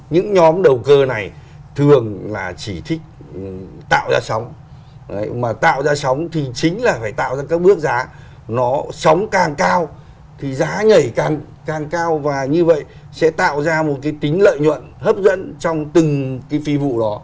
những nhóm đầu cơ này thường là chỉ thích tạo ra sóng mà tạo ra sóng thì chính là phải tạo ra các bước giá nó sóng càng cao thì giá nhảy càng cao và như vậy sẽ tạo ra một cái tính lợi nhuận hấp dẫn trong từng cái phi vụ đó